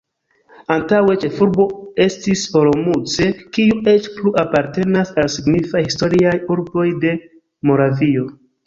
Antaŭe ĉefurbo estis Olomouc, kiu eĉ plu apartenas al signifaj historiaj urboj de Moravio.